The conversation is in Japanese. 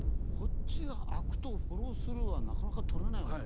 こっちが空くとフォロースルーはなかなか取れない？